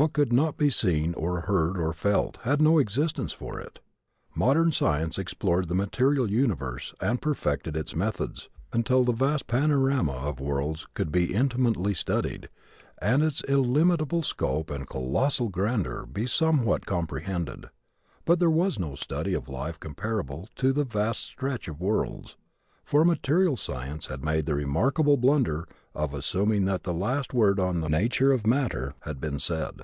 What could not be seen or heard or felt had no existence for it. Modern science explored the material universe and perfected its methods until the vast panorama of worlds could be intimately studied, and its illimitable scope and colossal grandeur be somewhat comprehended. But there was no study of life comparable to the vast stretch of worlds; for material science had made the remarkable blunder of assuming that the last word on the nature of matter had been said.